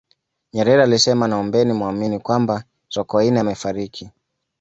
nyerere alisema naombeni muamini kwamba sokoine amefariki